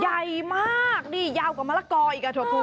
ใหญ่มากดิยาวกว่ามะละกออีกกับถั่วพู